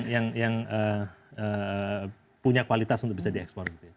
yang punya kualitas untuk bisa diekspor